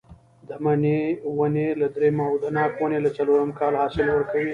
د مڼې ونې له درېیم او د ناک ونې له څلورم کال حاصل ورکوي.